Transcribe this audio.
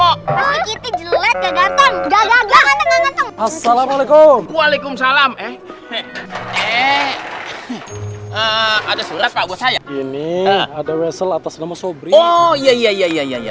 ada surat pak buat saya ini ada wesel atas nama sobri oh iya iya iya iya iya iya